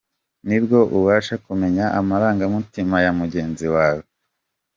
Nibwo ubasha kumenya amarangamutima ya mugenzi wawe.